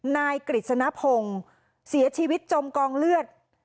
นายกฤษณพงศ์เสียชีวิตจมกองเลือด